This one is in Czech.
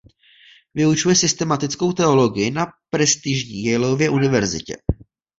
Vyučuje systematickou teologii na prestižní Yaleově univerzitě.